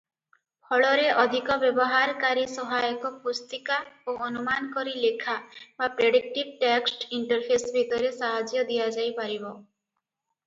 ଫଳରେ ଅଧିକ ବ୍ୟବହାରକାରୀ ସହାୟକ ପୁସ୍ତିକା ଓ ଅନୁମାନ କରି ଲେଖା ବା ପ୍ରେଡିକ୍ଟିଭ ଟେକ୍ସଟ ଇଣ୍ଟରଫେସ ଭିତରେ ସାହାଯ୍ୟ ଦିଆଯାଇପାରିବ ।